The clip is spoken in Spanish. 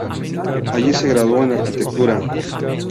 Allí se graduó en arquitectura.